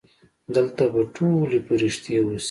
دلته به ټولې پرښتې اوسي.